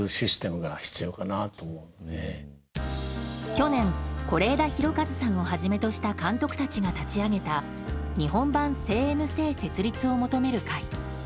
去年是枝裕和さんをはじめとした監督たちが立ち上げた日本版ＣＮＣ設立を求める会。